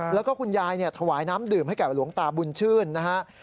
แล้วก็คุณยายถวายน้ำดื่มให้กับหลวงตาบุญชื่นนะฮะ